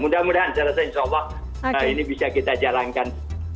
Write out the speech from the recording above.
mudah mudahan saya rasa insya allah ini bisa kita jalankan